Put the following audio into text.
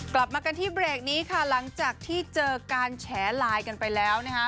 กลับมากันที่เบรกนี้ค่ะหลังจากที่เจอการแฉไลน์กันไปแล้วนะคะ